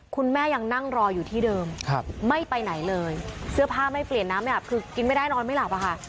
คุณแม่ยังนั่งรออยู่ที่เดิมไม่ไปไหนเลยเสื้อผ้าไม่เปลี่ยนน้ำไม่อาบคือกินไม่ได้นอนไม่หลับอะค่ะ